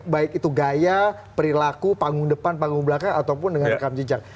baik itu gaya perilaku panggung depan panggung belakang ataupun dengan rekam jejak